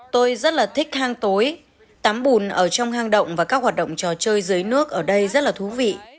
tôi rất là thích hang tối tắm bùn ở trong hang động và các hoạt động trò chơi dưới nước ở đây rất là thú vị